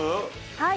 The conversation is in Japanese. はい。